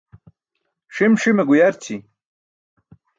Ṣim ṣime guyarći.